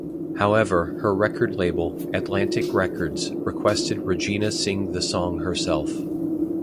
However her record label, Atlantic Records, requested Regina sing the song herself.